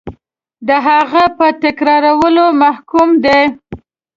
د هغه په تکرارولو محکوم دی.